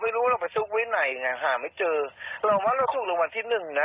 แต่ไม่รู้ว่าเราไปซุกไว้ไหนอ่ะหาไม่เจอเราว่าเราซุกลงวันที่หนึ่งน่ะ